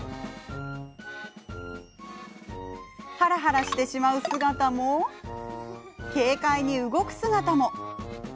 はらはらしてしまう姿も軽快に動く姿も。